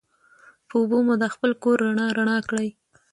په اوبو مو دا خپل کور رڼا رڼا کړي